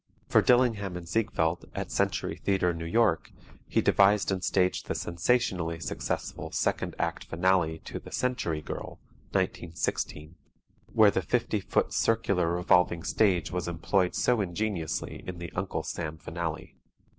For Dillingham and Ziegfeld, at Century Theatre, New York, he devised and staged the sensationally successful second act finale to "The Century Girl" (1916), where the 50 foot circular revolving stage was employed so ingeniously in the "Uncle Sam" finale.